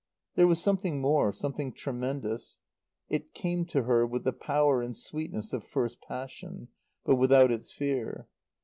There was something more; something tremendous. It came to her with the power and sweetness of first passion; but without its fear.